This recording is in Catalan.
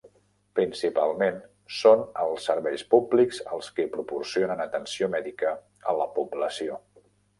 Principalment són els serveis públics els qui proporcionen atenció mèdica a la població.